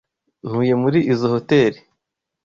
Ntuye muri izoi hoteri.